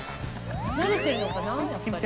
慣れてるのかな？